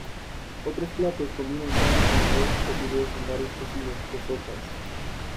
Otros platos combinan carne con arroz o fideos en varios cocidos o sopas.